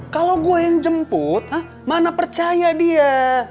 kalo gue yang jemput mana percaya dia